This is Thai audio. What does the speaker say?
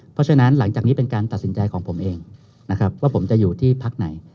เพราะฉะนั้นหลังจากนี้เป็นการตัดสินใจของผมเองนะครับว่าผมจะอยู่ที่พักไหน